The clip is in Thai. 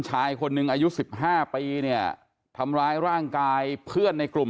ชายคนหนึ่งอายุสิบห้าปีเนี่ยทำร้ายร่างกายเพื่อนในกลุ่ม